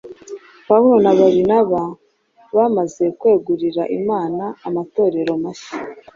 Pawulo na Barinaba bamaze kwegurira Imana amatorero mashya,